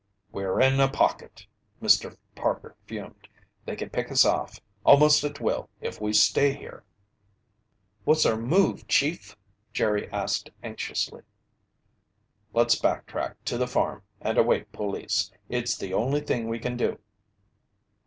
"We're in a pocket!" Mr. Parker fumed. "They can pick us off almost at will if we stay here!" "What's our move, Chief?" Jerry asked anxiously. "Let's back track to the farm and await police. It's the only thing we can do."